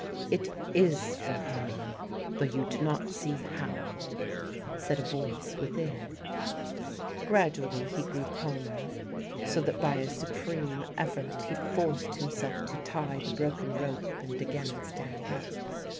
"It is for her, though you do not see how," said a voice within. Gradually he grew calmer, so that by a supreme effort he forced himself to tie the broken rope and again stand up.